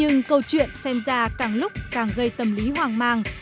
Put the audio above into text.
mâu chuyện xem ra càng lúc càng gây tâm lý hoang mang